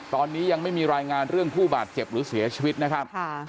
ตอนนี้ยังไม่มีรายงานเรื่องผู้บาดเจ็บหรือเสียชีวิตนะครับ